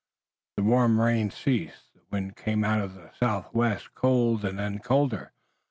The warm rain ceased, the wind came out of the southwest cold and then colder.